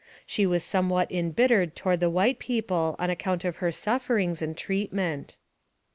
She was somewhat embittered toward the white people, on account of her sufferings, and treatment.